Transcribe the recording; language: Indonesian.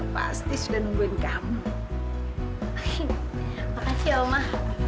pasti sudah nungguin kamu makasih ya umar